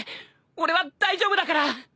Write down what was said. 俺は大丈夫だから。